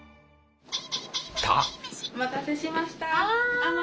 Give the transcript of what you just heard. お待たせしました。